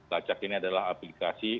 lacak ini adalah aplikasi